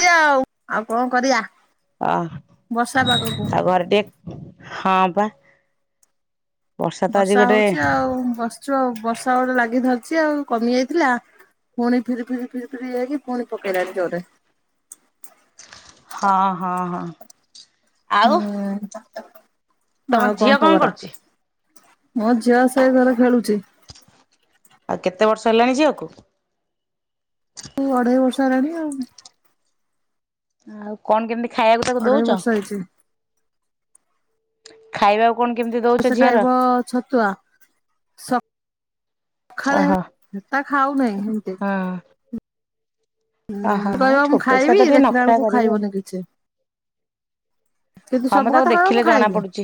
[unintelligible] ଆଉ ଆଉ କଣ କରିବା। ଅ ବର୍ଷା ପାଗକୁ। ଆଉ ଘରେ ଟେ ହଁ ବା ବର୍ଷା ଗୋଟେ ହଉଛି ଆଉ ବସିଛୁ ଆଉ ବର୍ଷା ଗୋଟେ ଲାଗି ଧରି କିଛି ଆଉ କମି ଯାଇଥିଲା ପୁଣି ଫିରି ଫିରି ଫିରି ଫିରି ହେଇକି ପୁଣି ପକେଇଲାଣି ଜୋରେ। ହଁ ହଁ ହଁ। ଆଉ ହୁଁ। ହ ତମ ଝିଅ କଣ କରୁଛି? ମୋ ଝିଅ ସେଇ ଘର ଖେଳୁଛି। ଆଉ କେତେ ବର୍ଷ ହେଲାଣି ଝିଅକୁ। ଅଢ଼େଇ ବର୍ଷ ହେଲାଣି ଆଉ। ଆଉ କଣ କେମିତି ଖାଇବାକୁ ତାକୁ ଅଢେଇ ଦଉଛନ। ବର୍ଷ ହେଇଛି ଖାଇବାକୁ କଣ କେମିତି ଦଉଛ ସେ ଝିଅର? ଖାଇବ ଛତୁଆ ସ ପଖାଳ ଓହୋ ତା ଖାଉ ନାହିଁ ଏତେ। ହଁ ଓହୋ ହଁ କହିବ ମୁଁ ଛୋଟ ଛୁଆ ଖାଇବି ତ ଟିକେ ଦେଖିଲା ନଖରା ବେଳକୁ କରିବେ ଆଉ। ଖାଇବନି କିଛି, କିନ୍ତୁ ହଁ ମ ସବୁ ତାକୁ କଥା କହିବ ଦେଖିଲେ ମୁଁ ଜଣା ଖାଇବି। ପଡୁଛି।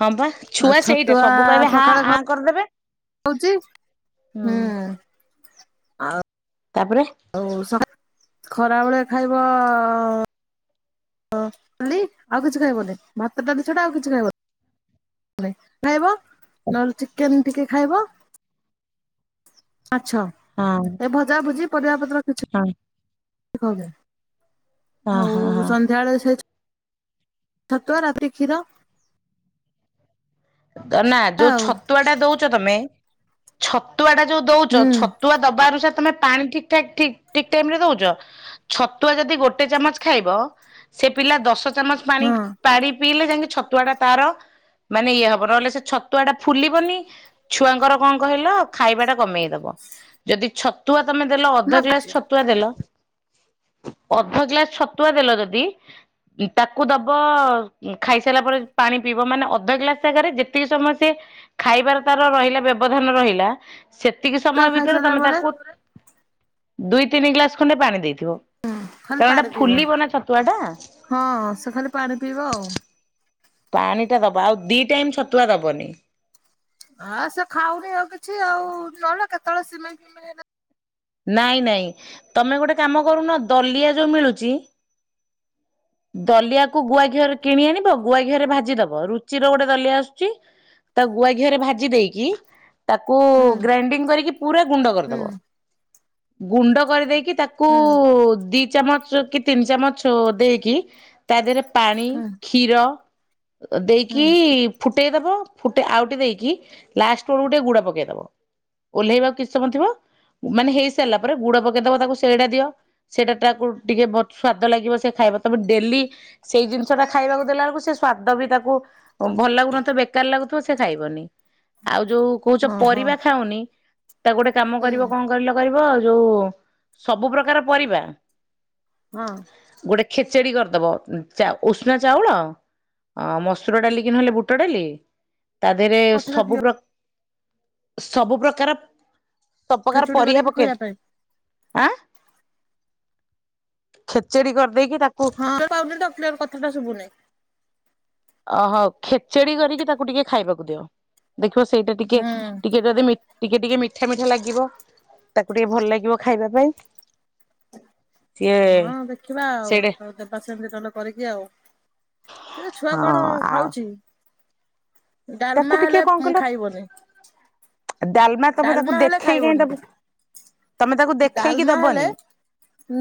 ହଁ ବା ଆଉ ଛୁଆ ସେଇଟା ଛତୁଆ ସବୁ କହିବେ ହ ସକାଳେ ଆଁ କରିଦେବେ ଖାଉଛି ହୁଁ। ଆଉ ତାପରେ। ଆଉ ସ ଖରାବେଳେ ଖାଇବ ଡାଲି ଆଉ କିଛି ଖାଇବନି ଭାତ, ଡାଲି ସେଟା ଆଉ କିଛି ଖାଇବନି ଖାଇବ ନହଲେ ଚିକେନ୍। ଟିକେ ଖାଇବ। ମାଛ ହଁ ଏ ଭଜା ଭୁଜି। ପରିବା ପ ରଖୁ ହଁ [unintelligible] ହଁ ଆଉ ହଁ ହଁ ସନ୍ଧ୍ୟାବେଳେ ସେଇ ଛ ଛତୁଆ ରାତିରେ ଖିର। ନା ଯୋଉ ଛତୁଆ ଟା ଦଉଛ ତମେ ଛପ ଛତୁଆ ଟା ଯୋଉ ଦଉଛ ହୁଁ ଛତୁଆ ଦବା ଅନୁସାରେ ତମେ ପାଣି ଠିକଠିକ ଟାଇମରେ ଦଉ ଛତୁ ଯଦି ଗୋଟେ ଚାମଚ ଖାଇବ ପିଲା ଦ ଶ ଚାମଚ ପାଣି ହଁ ପାରି ପିଇଲେ ଯାଇକି ଛତୁଆ ଟା ତାର ମାନେ ଇଏ ହବ। ରହଲେ ସେ ଛତୁଆ ଟା ଫୁଲିବନି ଛୁଆଙ୍କର କଣ କହିଲ ଖାଇବା ଟା କମେଇଦବ, ଯଦି ଛ ତମେ ଦେଲ ଅଧ ନା ଗ୍ଲାସ ଛତୁଆ ଦେଲ, ତ ଅଧ ଗ୍ଲାସ ଛତୁଆ ଦେଲ ଯଦି, ତାକୁ ଦବ ଖାଇସାରିଲା ପରେ ପାଣି ପିଇବ ମାନେ ଅଧ ଗ୍ଲାସ ତ ଜାଗାରେ ଯେତିକି ସମୟ ଖାଇବାର ତାର ରହିଲା ବ୍ୟବଧାନ ରହିଲା ସେତିକି ଛତୁଆ ସମୟ ଭିତରେ ଖାଇସାରିଲା ତମେ ପରେ ତାକୁ ଦୁଇ ତିନି ଗ୍ଲାସ ଖଣ୍ଡେ ପାଣି ଦେଇ ହୁଁ ଖାଲି ପାଣି ପିଇବ। ଛତୁଆ ଟା ହଁ ସେ ଖାଲି ପାଣି ପିଇବ ଆଉ। ପାଣି ଟା ଦବା ଆଉ ଦି ଟାଇମ ଛତୁଆ ଦବନି। ହଁ ସେ ଖାଉନି ଆଉ କିଛି ଆଉ ନହେଲେ କେତେବେଳେ ସିମେଇ ଫିମେଇ ହେଲେ ନାଇଁ ନାଇଁ ତମେ ଗୋଟେ କାମ କରୁନ ଦଲିଆ ଯୋଉ ମିଳୁଚି ଦଲିଆକୁ ଗୁଆଘିଅରେ କିଣି ଆଣିବ ଗୁଆଘିଅରେ ଭାଜି ଦବ ରୁଚିର ଗୋଟେ ଦଲିଆ ଆସୁଛି ତା ଗୁଆଘିଅରେ ଭାଜି ଦେଇକି ତାକୁ ହୁଁ ଗ୍ରାଇଣ୍ଡିଙ୍ଗ କରିକି ପୁରା ଗୁଣ୍ଡ ହୁଁ କରିଦବ। ଗୁଣ୍ଡ କରିଦେଇକି ତାକୁ ହୁଁ ଦି ଚାମଚ କି ତିନି ଚାମଚ ଦେଇକି ତା ଦେହରେ ପାଣି ହୁଁ କ୍ଷୀର ହୁଁ ଦେଇକି ଫୁଟ ଫୁଟେଇ ଦବ ଫୁଟ ଆଉଟି ଦେଇକି ଲାଷ୍ଟ ବେଳକୁ ଟିକେ ଗୁଡ ପକେଇଦବ। ଓହ୍ଲେଇବାକୁ କିଛି ସମୟ ଥିବ ମାନେ ହେଇ ସାରିଲା ପରେ ଗୁଡ ପକେଇଦବ ତାକୁ ସେଇଡ଼ା ଦିଅ। ସେଇଟା ଟାକୁ ଟିକେ ସ୍ଵାଦ ଲାଗିବ ସେ ଖାଇବ ତାପରେ ଡେଲି ସେଇ ଜିନିଷ ଟା ଖାଇବାକୁ ଦେଲା ବେଳକୁ ସେ ସ୍ଵାଦ ବି ତାକୁ ଭଲ ଲାଗୁନଥିବ ବେକାର ଲାଗୁଥିବ ସେ ଖାଇବନି। ଆଉ ଯୋଉ କହୁଛ ଓହୋ ପରିବା ଖାଉନି ତାକୁ ଗୋଟେ କାମ ହୁଁ କରିବ କରିବ ଆ ଯୋଉ ସବୁ ପ୍ରକାର ପରିବା ହଁ। ଗୋଟେ ଖେଚେଡି କରିଦବ। ଉଷୁନା ଚାଉଳ ମସୁର ଡାଲିକି ନହେଲେ ବୁଟ ଡାଲି ତା ଦେହରେ କଥାଟା କ୍ଲିୟର ସବୁ ପ୍ର ସବୁ ପ୍ରକାର ସବୁ ପକାର ଖେଚୁଡି ପରିବା କରିକି ଖୋଇବା ପକେଇବେ ପାଇଁ ଆଁ ଖେଚେଡି କର ହଁ ନେଟୱାର୍କ ପାଉନି ତ କ୍ଲିୟର କଥାଟା ଶୁଭୁନି। ଅ ହଉ ଖେଚେଡି କରିକି ତାକୁ ଟିକେ ଖାଇବାକୁ ଦିଅ। ଦେଖିବ ସିଏ ସେଇଟା ଟିକେ ହୁଁ ଟିକେ ଯଦି ମି ଟିକେ ଟିକେ ମିଠା ଲାଗି ବ ତାକୁ ଟିକେ ଭଲ ଲାଗିବ ଖାଇବା ପାଇଁ। ସିଏ ହଁ ଦେଖିବା ଆଉ ସେଇଟା ହଉ ଦେବା ସେମତି ନହେଲେ କରିକି ଆଉ। ଏ ଛୁଆ କଣ ହଁ ଆଉ ଖାଉଛି? ତାକୁ ଡାଲମା ଟିକେ ହେଲେ କଣ ମୁଁ କହିଲ ଖାଇବନି ଡାଲମା ତମେ ତାକୁ ହେଲେ ଦେଖେଇକି କାଇଁ ଖାଇବନି ଦବ। ତମେ ତାକୁ ଦେଖେଇକି ଡାଲମା ହେଲେ ଦବନି।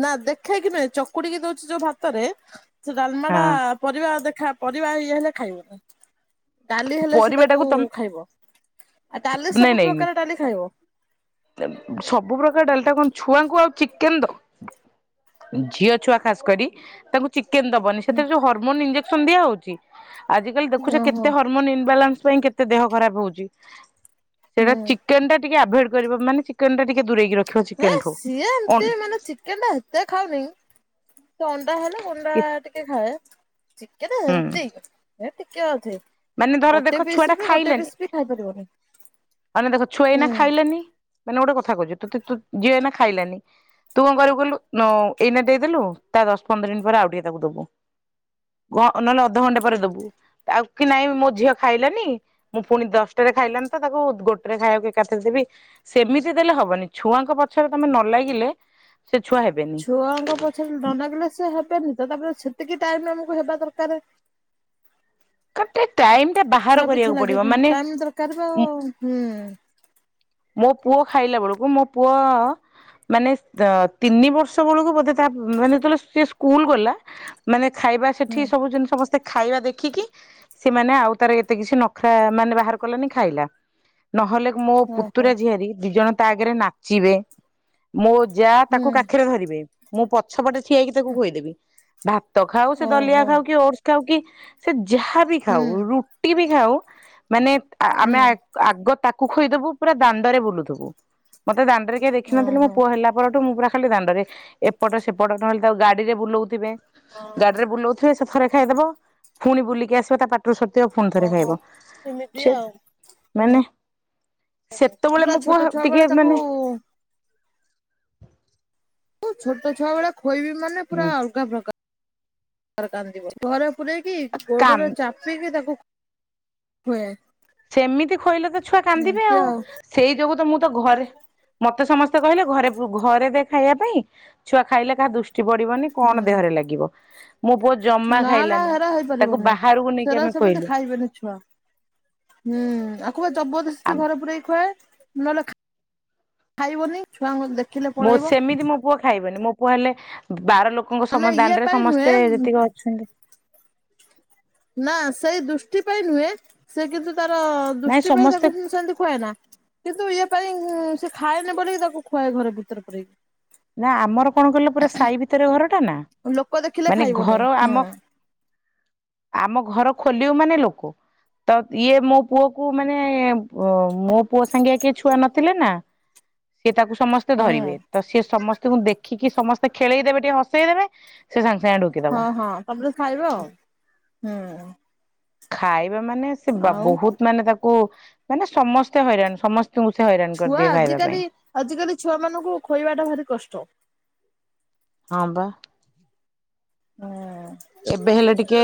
ନା ଦେଖେଇକି ନୁହେଁ ଚକୁଡିକି ଦଉଛି ଯୋଉ ଭାତ ତାରେ ସେ ହଁ ଡାଲମାଡା ପରିବା ଦେ ପରିବା ଇଏ ହେଲେ ଖାଇବନି ଡାଲି ହେଲେ ସେ ପରିବା ତାକୁ ଟାକୁ ତମ ଖାଇବ ଆଉ ଡାଲି ନାଇଁ ସବୁ ନାଇଁ ପ୍ରକାର ଡାଲି ଖାଇବ। [inaudible] ସବୁ ପ୍ରକାର ଡାଲିଟା କଣ ଛୁଆଙ୍କୁ ଆଉ ଚିକେନ [inaudible] ଦ ଝିଅ ଛୁଆ ଖାସ କରି ତାଙ୍କୁ ଚିକେନ ଦବନି ସେଥିରେ ଯୋଉ ହରମୋନ ଇଜେ ସନ୍ଧ୍ୟା ହଉଛି? ଆଜିିକା ଦେଖୁଛ ଓହୋ କେତେ ହର ଇବାଲାନ୍ସ ପାଇଁ କେତେ ଦେହ ଖରାପ ହଉଛି ସେଇଟା ହୁଁ ଚିକେନ ଟା ଟି ଟିକେ ଅଭେଟ କରିବ ମାନେ ଚିକେନ ଟିକେ ଦୂଇକି ରଖି ସିଏ ଏମତି ମାନେ ଚିକେନ ଟା ସେତେ ଖାଉନି ଅଣ୍ଡା ହେଲା ଅଣ୍ଡା ଟିକେ ଖାଏ। ଚିକେନ ହୁଁ ହେନ୍ତି। ଟିକିଏ ଅଛି। ମାନେ ଧର ଦେଖ ଛୁଆ ଟା ଖାଇଲେନି ଖାଇପାରିବନି। [inaudible] ଆ ଦେଖ ଛୁଆ ହୁଁ। ଏଇନା ଖାଇଲେନି ମାନେ ଗୋଟେ କଥା କହୁଛୁ ତୁ ତୁ ଯିଏ ଏଇନା ଖାଇଲାନି ତୁ କଣ କରିବୁ କଲୁ ଏଇନା ଦେଇଦେଲୁ ତା ଦଶ ପନ୍ଦର ମିନିଟ ପରେ ଆଉ ଟିକେ ତାକୁ ଦବୁ ନହେଲେ ଅଧଘଣ୍ଟା ପରେ ଦବୁ ଆଉ କି ନାଇଁ ମୋ ଝିଅ ଖାଇଲାନି ମୁଁ ପୁଣି ଦଶଟାରେ ଖାଇଲାନି ତ ତାକୁ ଗୋଟେରେ ଖାଇବାକୁ ଏକାଥରେ ଦେବି ସେମିତି ଦେଲେ ହବନି ଛୁଆଙ୍କ ପଛରେ ତମେ ନ ଲାଗିଲେ ସେ ଛୁଆ ହେବେନି। ଛୁଆଙ୍କ ପଛରେ ଦଣ୍ଡାଗଲେ ସେ ହେବେନି ତ ତାପରେ ସେ ଟିକେ ଟାଇମରେ ଆମକୁ ହେବା ଦରକାର କଠେ ଛୁଆ ପିଛା ଲାଗିବା କ ଟାଇମ ଦରକାର ବା ଆଉ ହୁଁ। ମୋ ପୁଅ ଖାଇଲା ବେଳକୁ ମୋ ପୁଅ ମାନେ ତିନି ବର୍ଷ ବେଳକୁ ବୋଧେ ତା ମାନେ ସେ ସ୍କୁଲ ଗଲା ମାନେ ଖାଇବା ହୁଁ ସେଠି ସବୁ ଜିନି ସମସ୍ତେ ଖାଇବା ଦେଖିକି ସେମାନେ ଆଉ ତାର ଏତେ କିଛି ନଖରା ମାନେ ବାହାର କଲାନି ଖାଇଲା। ନହେଲେ ମୋ ପୁ ଓହୋ। ତୁରା ଝଆାରୀ ଦି ଜଣ ତା ଆଗରେ ନାଚିବେ ମୋ ଯା ହୁଁ ତାକୁ କାଖିରେ ଧରିବେ ମୁଁ ପଛପଟେ ଠିଆଇକି ତାକୁ କୁଆଇଦେବି। ଭାତ ଖାଉ ସେ ଦଲିଆ ଓହୋ ଖାଉ କି ଓଟସ ଖାଉ କି ସ ଯାହା ବିି ହୁଁ ଖାଉ ରୁଟି ବି। ଆଉ। ମାନେ ହୁଁ ଆମେ ଆଗ ତା ଖୋଇଦେବୁ। ପୁରା ଦାଣ୍ଡରେ ବୁଲୁଥିବୁ। ମତେ ଦାଣ୍ଡରେ କେ କିଏ ଦେଖିନଥିଲଥିଲେ ମୋ ଓହୋ। ପୁଅ ହେଲା ପରଠୁ ମୁ ପୁରା। ଖହ ଦାଣ୍ଡରେ ଏପଟ ସେପଟ ନହେଲେ ତାକୁ ଗାଡି ରେ ବୁଲଉଥିବେ। ଓହୋ ଗାଡିରେ ବୁଲଉଥିବେ ସେ ଥରେ। ଖାଇଦବ ପୁଣି ବୁଲିକି ଆସିବା ତା ପାଟରୁ ସ ପୁଣି ଥରେ ଓହୋ ଖାଇବ ଏମିତି ସେ ଆଉ। ମାନେ। ସେତେବେଳେ ପୁରା ମୋ ପୁଅ ଛୋଟ ଛୁଆ ବେଳେ ଟିକେ ତାକୁ। ମାନେ ତୁ ଛୋଟ ଛୁଆ ବେଳେ। ଖୋଇବି ମାନେ ପୁରା ଅଲଗା ପ୍ରକାର। ଘରେ କାନ୍ଦିବ ଘରେ ପୂରେଇକି ଗୋଡରେ କାନ୍ଦ ଚାପିକି ତାକୁ। ହୁଁ। ସେମିତି ଖୋଇଲେ ତ ଛୁଆ କାନ୍ଦିବେ ଆଉ ସେଇ ଯୋଗୁ ତ ମୁଁ ତ ଘରେ ମତେ। ତ ସମସ୍ତେ କହିଲେ ଘରେ ଘରେ ଦେ ଖାଇବା ପାଇଁ ଛୁଆ ଖାଇଲେ କାହା ଦୁଷ୍ଟ। ପଡିବନି କଣ ହୁଁ ଦେହରେ ଲାଗିବ। ମୋ ପୁଅ ଜମା ନା ନା ଖାଇଲାନି ହେରା ତାକୁ ହେଇପାରିବନି। ବାହାରକୁ ନେଇକି ସେରା ଆମେ ସେମିତି କହିଲୁ। ଖାଇବେନି ଛୁଆ ହୁଁ। ଖୁଆ ଜବରଦସ୍ତି ଘରେ ପୁରେଇକି ଖୁଆଏ। ନହେଲେ ଖାଇବନି ଛୁଆଙ୍କୁ ଦେଖ। ମୁଁ ସେମିତି ମୋ ପୁଅ ଖାଇବନି ମୋ। କ ହେଲେ ବାର ଲୋକ। ଲୋକଙ୍କ ମାନେ ସମ ଇଏ ଦାଣ୍ଡରେ ପାଇଁ ନୁହେଁ ସମସ୍ତେ ଯେତିକି ଅଛନ୍ତି। ନା ସେଇ ଦୃଷ୍ଟି ପାଇଁ ନୁହେଁ ସେ କିନ୍ତୁ। ତାର ନାଇଁ ଦୃଷ୍ଟି ପାଇଁ ସମସ୍ତେ ତାକୁ ସେମିତି କୁହ ନା କିନ୍ତୁ ଇଏ। ସେ ପାଇଁ ସେ ଖାଏନି ବୋକି ତାକୁ ଖୁଆଏ ଘରେ ଭିତରେ ପାଇକି। ନା ଆମର କଣ କିଲ ପୁରା ସାହି ଭିତରେ ଘର ଟା ନା ଲୋକ ଦେଖିଲେ ମାନେ ଖାଇବନି ଘର ହୁଁ ଆମ। ଆମ ଘର ଖୋଲିବ ମାନେ ଲୋକ ତ ଇଏ ମୋ ପୁଅକୁ ମାନେ ମୋ ପୁଅ ସାଙ୍ଗେଆ କିଏ ଛୁଆ ନଥିଲେ ନା। ତାକୁ ସମସ୍ତେ ହୁଁ ଧରିବେ ତ ସେ। ସମସ୍ତଙ୍କୁ ଦେଖିକି ସମସ୍ତେ ଖେଳେଇ ଦେବେ ଟିକେ ହସେଇ ଦେବେ। ସେ ସାଙ୍ଗେ ସାଙ୍ଗେ ଢୋକିଦବ ହଁ ହଁ ତମେ ତ ଖାଇବ ଆଉ ହୁଁ। ଖାଇ ମାନେ ସେ ଆଉ ବହୁତ ମାନେ ତାକୁ ମାନେ ସମସ୍ତେ ହଇରାଣ ସମସ୍ତେ ଛୁଆ ଆଜିକାଲି ଆଜିକାଲି ଛୁଆ ମାନଙ୍କୁ ଖୋଇବା ଟା ଭାରି କଷ୍ଟ। [inaudible] ହଁ ବା ହଁ। ଏବେ ହେଲେ ଟିକେ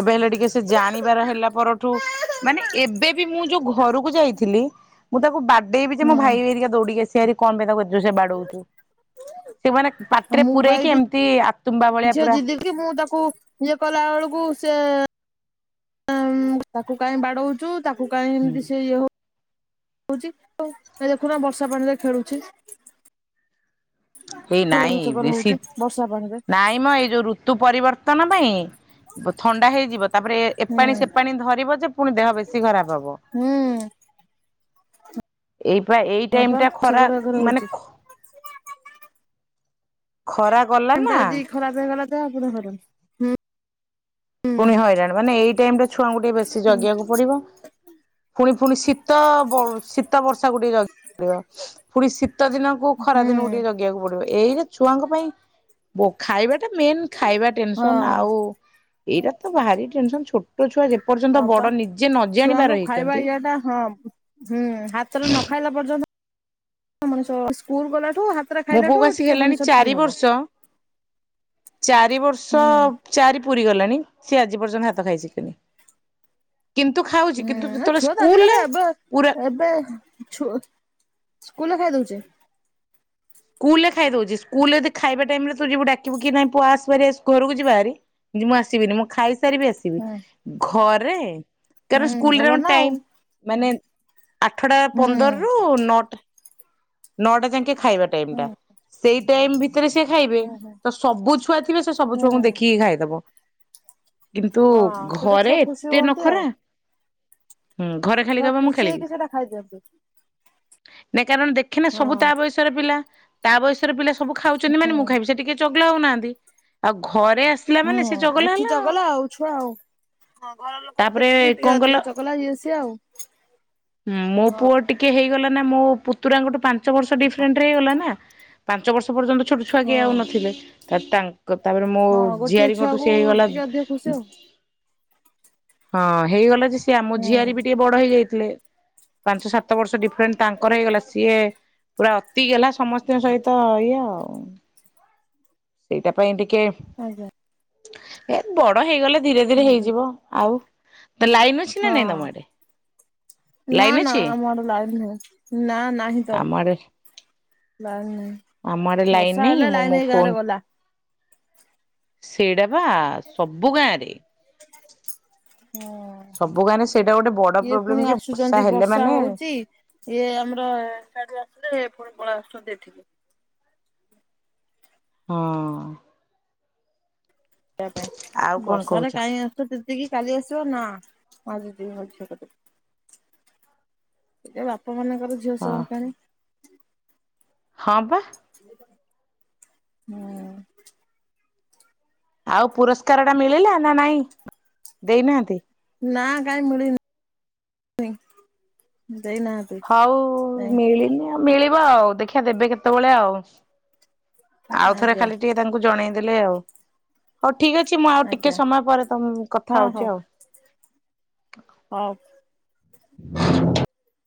ଏବେ ହେଲେ ଟିକେ ସେ ଜାଣିବାର ହେଲା ପରଠୁ ମାନେ ଏବେ ବି ମୁଁ ଯୋଉ ଘରକୁ ଯାଇଥିଲି। ମୁଁ ତାକୁ ବା ଡେଇବି ଯେୋ ଭାଇ ଆଉ ଏରିକ ଦୌଡିକି ଆସିବେ ଭାରି। କଣ ପାଇଁ ତାକୁ ଏତେ ଜୋରସେ ବାଡଉଛୁ। [inaudible] ସେମାନେ ପାଟିରେ ମୁଁ ପା ପୂରେଇକି ଏଇଠି ଏମିତି ଆତୁମ୍ବା ଭଳିଆ ଝିଅ ପୁରା ଜିଦି କି ମୁଁ ତାକୁ ଇଏ କଲା ବେଳକୁ ସେ ତାକୁ କାହିଁ ବାଡଉଛୁ। ତାକୁ କାଇଁ ଏମିତି ସେଇଏ ହଉ ହଉଛି ଏ ଦେଖୁନା ବର୍ଷା ପାଣିରେ ଖେଳୁଛି। [inaudible] ଏଇ ଘର ନାଇଁ ଚକର ବେଶୀ ହଉଛି ବର୍ଷା ପାଣିରେ ନାଇଁ ମ ଏଇ ଯୋଉ ଋତୁ ପରିବର୍ତ୍ତନ ପାଇଁ ଥଣ୍ଡା ହେଇଯିବ। ତାପରେ ହୁଁ ଏପାଣି ସେ ପାାଣି ଧରିବ ଯେ ପୁଣି ଦେହ ବେଶୀ ଖରାପ ହବ। ହୁଁ ଏଇପା ଏଇ ହଁ ଟାଇମ ପା ଟା ଖରା ଚକର ବାକର ମାନେ ହଉଛି ଖ [inaudible] ଖରା ଗଲା ଟାଇମ୍ ନା। ଟା ଯଦି [unintelligible] ହୁଁ ପୁଣି ହଇରାଣ ମାନେ ଏଇ ଟାଇମ ଟା ଛୁଆଙ୍କୁ ଟିକେ ବେଶୀ ଜଗିବାକୁ ପଡିବ। ପୁଣି ପୁଣି ଶୀତ ଶୀତ ବର୍ଷା ଟିକେ ଜଗିବାକୁ ପଡ଼ିବ। ପୁଣି ଶୀ ଶୀତ ଦିନକୁ ଖରା ହୁଁ ଦିନକୁ ଟିକେ ଜଗିବାକୁ ପଡିବ। ଏଇଟା ଛୁଆଙ୍କ ପାଇଁ ବ ଖାଇବା ମେନ୍ ଖାଇବା ହଁ ଟେନସନ୍ ଆଉ ଏଇଟା ତ ଭାରି ଟେନସନ ଛୋଟ ଛୁଆ ଯେ ହଁ ପା ଛୁଆଙ୍କୁ ଖାଇବା ଇଏ ଟା ହଁ ହୁଁ ହାତରେ ନ ଖାଇଲା ପର୍ଯ୍ୟନ୍ତ ସ୍କୁଲ ଗଲା ଠୁ ହାତରେ ମୋ ପୁଅକୁ ଖାଇଲାଠୁ ଆସିକି ଟିକେ ହେଲାଣି ମଣିଷ ଫ୍ରି ଚାରି ହବ। ବର୍ଷ ଚାରି ବର୍ଷ ହୁଁ ଚାରି ପୁରୀ ଗଲାଣି ସି ଆଜି ପର୍ଯ୍ୟନ୍ତ ଭାତ ଖାଇସିକିନି। ହୁଁ ଛୁଆ ତ ଆଜିକାଲି ଏବେ ପୁରା ଏବେ ଛୁ ସ୍କୁଲରେ ଖାଇ ଦୋଉଚି। ସ୍କୁଲ ରେ ଖାଇ ଦୋଉଚି ସ୍କୁଲରେ ଯଦି ଖାଇବା ଟାଇମ ରେ ତୁ ଯିବୁ ଡାକିବୁ କି ନାଇଁ ପୁଅ ଆସେଭାରି ଘରକୁ ଯିବାହିରି ମୁଁ ଆସିବିନି ମୁଁ ଖାଇ ସାରିବି ଆସିବି। ହୁଁ ଘରେ ତାର ହୁଁ ସ୍କୁଲରେ ଭଲ କଣ ନା ଆଉ। ଟାଇମ ମାନେ ଆଠଟା ହୁଁ ପନ୍ଦର ରୁ ନଅଟା। ନଅଟା ଯାଁକେ ଖାଇବା। ହୁଁ ଟାଇମଟା ସେଇ ଟାଇମ ଭି ତରେ ସେ ଖାଇବେ ହୁଁ ହୁଁ ତ ସବୁ ଛୁଆ ଥିବେ ସେ ସବୁ ହୁଁ ଛୁଆଙ୍କୁ ଦେଖିକି ଖାଇଦବ। କିନ୍ତୁ ହଁ ସେଇଟା ଘରେ ଛୁଆ ଖୁସି ଏତେ ହୁଅନ୍ତି ଆଉ। ନଖରା। ହୁଁ ଘରେ ଖାଲି ଛୁଆ କହିବ ମୁଁ ଖୁସି ଖେଳିବି। ହେଇକି ସେଇଟା ଖାଇଦୁଅଁନ୍ତୂ। [unintelligible] କାରଣ ଦେଖେନା ସବୁ ତା ବୟସର ପିଲା। ତା ବୟସର ପିଲା ସ ବୁ ଖାଉଚନ୍ତି ହୁଁ ମାନେ ମୁଁ ଖାଇବି ସେ ଟିକେ ଚ ନୋଉ ନାହାନ୍ତି ଆଉ ଘ ହୁଁ ଏଠି ଚଗଲା ଆଉ ଛୁଆ ଆଉ ଘର ଲୋକଙ୍କୁ ତାପରେ ଦେଖିକି ଟିକେ କଣ କଲ ଅଧିକା ଚଗଲା ଇଏ ସିଏ ଆଉ ହୁଁ ମୋ ହଁ। ପୁଅ ଟିକେ ହେଇଗଲା ନା ମୋ ପୁତୁରାଙ୍କଠୁ ପାଞ୍ଚ ବର୍ଷ ଡିଫରେଣ୍ଟ ରେ ହେଇଗଲା ନା। ପାଞ୍ଚ ବର୍ଷ ସେ ପର୍ଯ୍ୟନ୍ତ ଛୋଟ ଛୁଆ କିଏ ଆଉ ହଁ। ନଥିଲେ। [unintelligible] ତାପରେ ମୋ ହଁ ଗୋଟିଏ ଝିଆରୀଙ୍କଠୁ ଛୁଆକୁ ସେଏ ହେଇଗଲା। ଟିକେ ଅଧିକ ଖୁସି ଆଉ। ହଁ ହେଇଗଲା ଯେ ସେ ଆମ ହୁଁ। ଝିଆରି ବି ଟିକେ ବଡ ହେଇଯାଇ ଥିଲେ ପାଞ୍ଚ ସାତ ବର୍ଷ ଡି ଫେଣେ ତାଙ୍କର ହେଇଗଲା ସିଏ ପୁରା ଅତି ଗେହ୍ଲା। ସମସ୍ତଙ୍କ ସହିତ ଇଏ ଆଉ ସେଇଟା ପାଇଁ ଟି ଆଜ୍ଞା। ଏ ବଡ ହେଇଗଲେ ଧୀରେ ଧୀରେ ହୁଁ ହୁଁ ହେଇଯିବ ଆଉ। ତ ଲାଇନ ଅଛି ନା ହଁ ନାଇଁ ତମ ଆଡେ ନା ଲାଇନ ନା ଅଛି ଆମର ଲାଇନ ନାହିଁ ନା ନାହିଁ ତ। ଆମ ଆଡେ ଲାଇନ ଆମ ଆଡେ ଲାଇନ ବର୍ଷା ନାଇଁ ହେଲେ ମୁଁ ମୋ ଲାଇନ ଏଇ ଫୋନ ଗାଁରେ ଗଲା। ସେଇଟା ବା ସବୁ ଗାଁରେ ହୁଁ। ସବୁ ଗାଁରେ ସେଇଟା ଗୋଟେ ବଡ ଇଏ ପ୍ରୋବ୍ଲେମ ପୁଣି କି ଆସୁଛନ୍ତି ହେଲେ ବର୍ଷା ମାନେ ହଉଛି ଇଏ ଆମରଠ ଆସେ ପୁଣି ରାଷ୍ଟ ଦେଇଠିକି ହଁ। ସେ ଆଉ ପାଇଁ କଣ ବର୍ଷାରେ କହୁଛ କାହିଁ ଆସୁ ସେତିକି କାଲି ଆସିବ ନା। ମାଝ ଯ ଭ ସେ ସେଟା [unintelligible] ମାନଙ୍କର ଝିଅ ହଁ ସଙ୍କାଣି ହଁ ବା। ହୁଁ। ଆଉ ପୁରସ୍କାର ଟା ମିଳିଲା ନା ନାଇଁ ଦେଇନାହାନ୍ତି। ନା କାଇଁ ମିଳିନି। ଦେଇନାହାନ୍ତି। ହଉ ମେଳିନି ଆଉ ମଳିବ। ଆଉ ଦେଖିବା ଦେବେ କେତେବେଳେ ଆଉ। ଆଉ ଥରେ ଆଜ୍ଞା। ଖାଲି ଟିକେ ତାଙ୍କୁ ଜଣେଇ ଦେଲେ ଆଉ ହୋଇ ଠିକ୍ ଠିକ ଅଛି ମୁଁ ଆଉ ଟିକେ ଆଜ୍ଞା ସମୟ ପରେ ତମ କଥା ହଁ ହଉ ହଉଛି ଆଉ। ହଉ